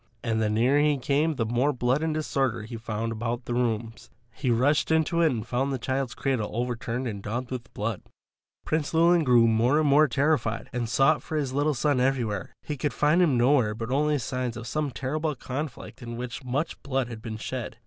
And the nearer he came the more blood and disorder he found about the rooms. He rushed into it and found the child's cradle overturned and daubed with blood. Prince Llewelyn grew more and more terrified, and sought for his little son everywhere. He could find him nowhere but only signs of some terrible conflict in which much blood had been shed.